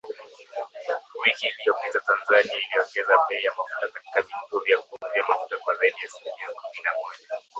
Wiki iliyopita Tanzania iliongeza bei ya mafuta katika vituo vya kuuzia mafuta kwa zaidi ya asilimia kumi na moja